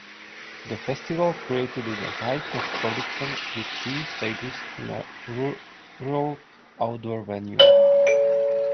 The Festival created a high-tech production with three stages in a rural outdoor venue.